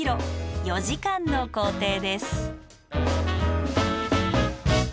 ４時間の行程です。